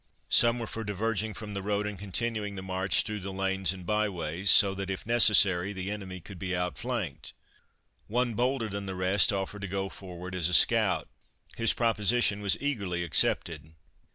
Some were for diverging from the road and continuing the march through the lanes and bye ways, so that, if necessary, the enemy could be outflanked. One bolder than the rest offered to go forward as a scout. His proposition was eagerly accepted.